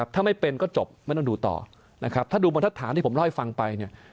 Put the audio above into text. ถ้าไม่เป็นก็จบไม่ต้องดูต่อถ้าดูบรรทัศนที่ผมล่อยฟังไป